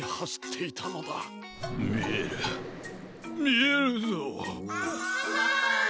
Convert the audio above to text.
みえるみえるぞ。